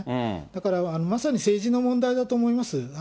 だから、まさに政治の問題だと思います。